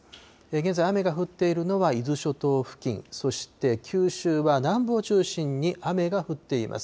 現在、雨が降っているのは伊豆諸島付近、そして九州は南部を中心に雨が降っています。